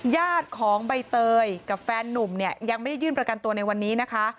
ญาติของใบเตยกับแฟนนุ่มเนี่ยยังไม่ได้ยื่นประกันตัวในวันนี้นะคะ